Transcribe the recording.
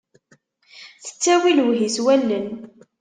Tettawi lewhi s wallen.